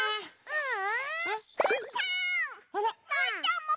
うん！